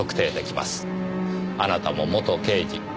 あなたも元刑事。